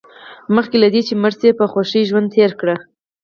مخکې له دې چې مړ شئ په خوښۍ ژوند تېر کړئ.